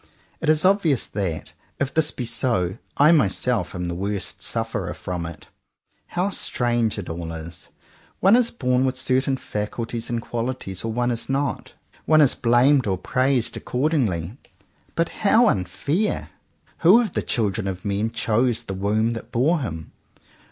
It is obvious that, if this be so, I myself am the worst sufferer from it. How strange it all is! One is born with certain faculties and qualities, or one is not. One is blamed or praised accordingly. But how unfair! Who of the children of men chose the womb that bore him.?